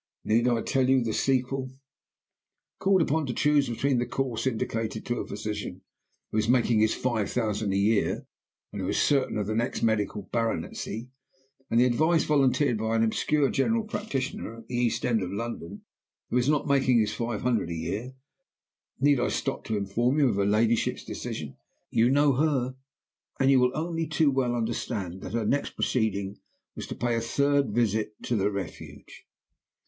"Need I tell you the sequel? Called upon to choose between the course indicated by a physician who is making his five thousand a year, and who is certain of the next medical baronetcy, and the advice volunteered by an obscure general practitioner at the East End of London, who is not making his five hundred a year need I stop to inform you of her ladyship's decision? You know her; and you will only too well understand that her next proceeding was to pay a third visit to the Refuge.